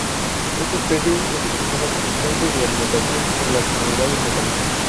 Esta especie es utilizada como fuente de alimentación por las comunidades locales.